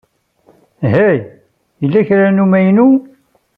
Hey, yella kra n umaynu?